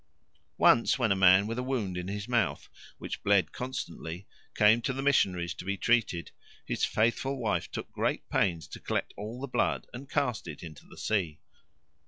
Once when a man with a wound in his mouth, which bled constantly, came to the missionaries to be treated, his faithful wife took great pains to collect all the blood and cast it into the sea.